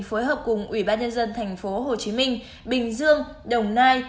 phối hợp cùng ủy ban nhân dân thành phố hồ chí minh bình dương đồng nai